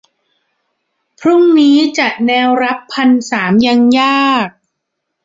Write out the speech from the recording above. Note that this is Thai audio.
พรุ่งนี้จะแนวรับพันสามยังยาก